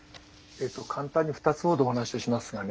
簡単に２つほどお話ししますがね